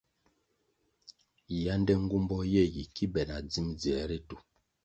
Yánde nğumbo ye yi ki be na dzim dzier ritu.